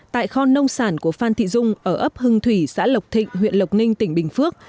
tại kho nông sản của phan thị dung ở ấp hưng thủy xã lộc thịnh huyện lộc ninh tỉnh bình phước